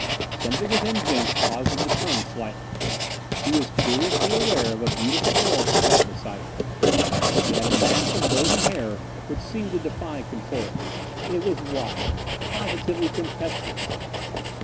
Something within Jenks caused him to turn slightly. He was curiously aware of a beautiful girl who sat beside him. She had a mass of golden hair which seemed to defy control. It was wild, positively tempestuous.